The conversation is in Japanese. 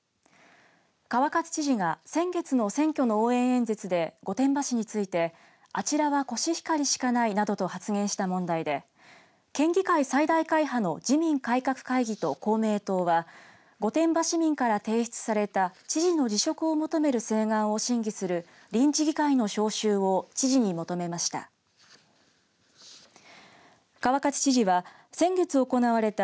川勝知事が先月の選挙の応援演説で御殿場市について、あちらはコシヒカリしかないなどと発言した問題で県議会最大会派の自民改革会議と公明党は御殿場市民から提出された知事の辞職を求める請願を審議する臨時議会の招集を知事に求めました。